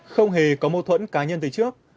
không hề có mâu thuẫn cá nhân từ trước